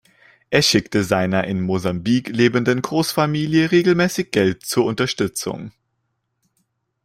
Er schickte seiner in Mosambik lebenden Großfamilie regelmäßig Geld zur Unterstützung.